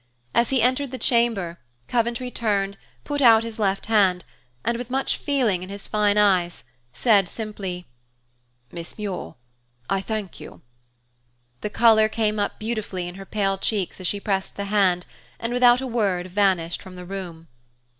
As he entered the chamber, Coventry turned, put out his left hand, and with much feeling in his fine eyes said simply, "Miss Muir, I thank you." The color came up beautifully in her pale cheeks as she pressed the hand and without a word vanished from the room.